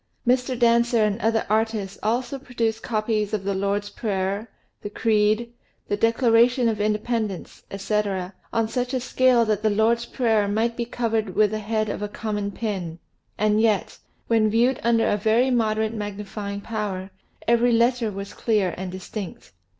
Mr. Dancer and other artists also produced copies of the Lord's Prayer, the Creed, the Declaration of Independence, etc., on such a scale that the Lord's Prayer might be covered with the head of a common pin, and yet, when viewed under a very moderate magnifying power, every letter was clear aftd distinct.